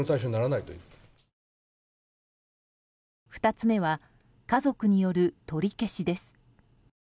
２つ目は家族による取り消しです。